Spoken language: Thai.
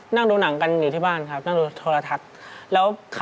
นั่งดูหนังกันอยู่ที่บ้านครับนั่งดูโทรธรรมที่บ้านครับ